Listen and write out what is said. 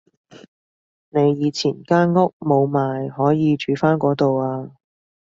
你以前間屋冇賣可以住返嗰度啊